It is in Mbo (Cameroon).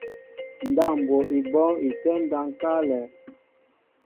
Ndáp mbwo í bɔ́ɔ́ŋ í tɛ́ɛ́m ndáp ŋ̀káálɛ̄.